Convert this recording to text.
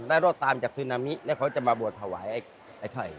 รอดตามจากซึนามิแล้วเขาจะมาบวชถวายไอ้ไข่